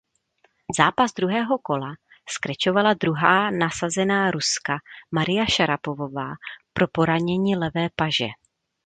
Zápas druhého kola skrečovala druhá nasazená Ruska Maria Šarapovová pro poranění levé paže.